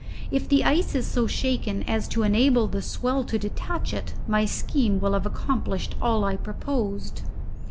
If the ice is so shaken as to enable the swell to detach it, my scheme will have accomplished all I proposed."